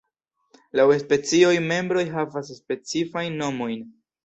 Laŭ specioj, membroj havas specifajn nomojn.